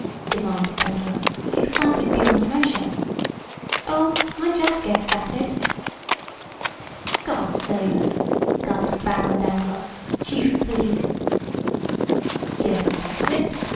demanded Dangloss, excited beyond measure. "Oh, I just guessed at it!" "God save us!" gasped Baron Dangloss, Chief of Police. "Guessed at it?"